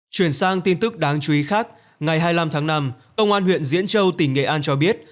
chuyển sang tin tức đáng chú ý khác ngày hai mươi năm tháng năm công an huyện diễn châu tỉnh nghệ an cho biết